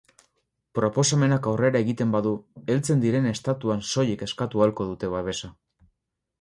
Proposamenak aurrera egiten badu, heltzen diren estatuan soilik eskatu ahalko dute babesa.